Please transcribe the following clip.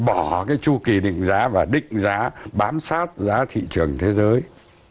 bỏ cái chu kỳ định giá và định giá bám sát giá thị trường thế giới